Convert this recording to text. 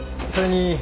それに。